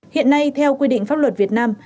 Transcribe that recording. hiện nay theo quy định pháp luật việt nam